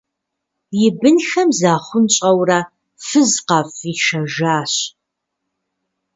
И бынхэм захъунщӏэурэ фыз къафӏишэжащ.